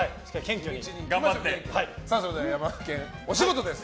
それではヤマケン、お仕事です。